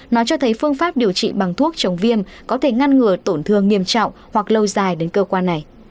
nó cho thấy phương pháp điều trị bằng thuốc chống viêm có thể ngăn ngừa tổn thương nghiêm trọng hoặc lâu dài đến cơ quan này